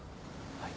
はい。